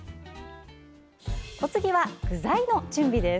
お次は具材の準備です。